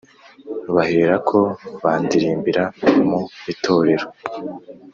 baherako bandirimba mu itorero